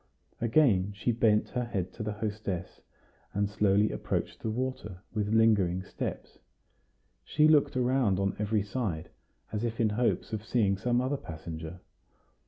Again she bent her head to the hostess, and slowly approached the water, with lingering steps. She looked around on every side, as if in hopes of seeing some other passenger.